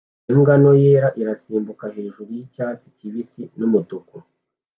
Imbwa nto yera irasimbuka hejuru yicyatsi kibisi n'umutuku